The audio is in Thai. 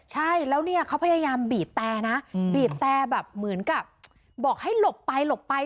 ใช่แล้วเนี่ยเขาพยายามบีบแต่นะบีบแต่แบบเหมือนกับบอกให้หลบไปหลบไป